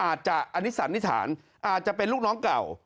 อาจจะอนิสันนิษฐานอาจจะเป็นลูกน้องเก่า